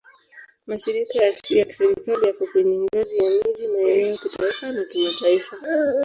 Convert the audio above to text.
Mashirika yasiyo ya Kiserikali yako kwenye ngazi ya miji, maeneo, kitaifa na kimataifa.